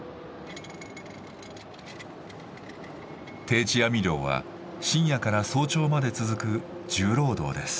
定置網漁は深夜から早朝まで続く重労働です。